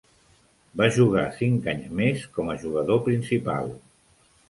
Va jugar cinc anys més com a jugador principal.